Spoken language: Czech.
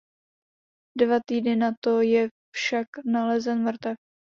Dva týdny nato je však nalezen mrtev.